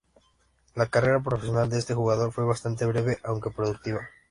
La carrera profesional de este jugador fue bastante breve, aunque productiva.